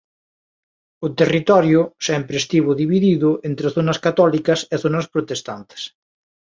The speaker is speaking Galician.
O territorio sempre estivo dividido entre zonas católicas e zonas protestantes.